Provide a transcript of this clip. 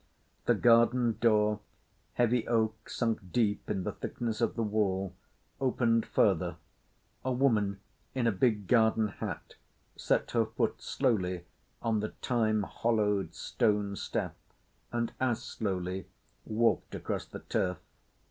The garden door—heavy oak sunk deep in the thickness of the wall—opened further: a woman in a big garden hat set her foot slowly on the time hollowed stone step and as slowly walked across the turf.